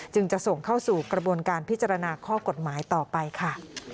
จะส่งเข้าสู่กระบวนการพิจารณาข้อกฎหมายต่อไปค่ะ